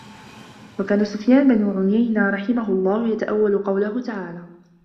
وَكَانَ سُفْيَانُ بْنُ عُيَيْنَةَ رَحِمَهُ اللَّهُ يَتَأَوَّلُ قَوْله تَعَالَى